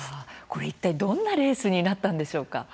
これ、いったいどんなレースになったんでしょうか。